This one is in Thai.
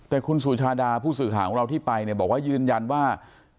แต่คุณสุชาดาผู้สื่อข่าวของเราที่ไปเนี่ยบอกว่ายืนยันว่า